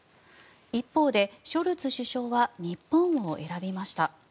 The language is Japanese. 一方で、ショルツ首相は日本を選びました。